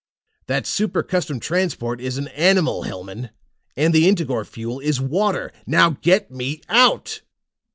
"That Super Custom Transport is an animal, Hellman! And the Integor fuel is water! Now get me out!"